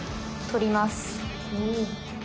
取ります。